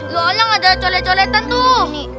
lo yang ada cole coletan tuh